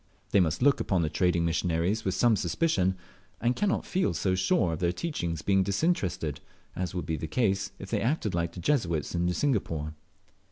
They must look upon the trading missionaries with some suspicion, and cannot feel so sure of their teachings being disinterested, as would be the case if they acted like the Jesuits in Singapore.